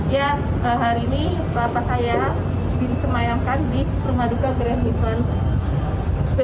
ya hari ini bapak saya disemayamkan di rumah duka grand liference